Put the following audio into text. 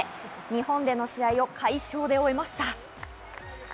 日本での試合を快勝で終えました。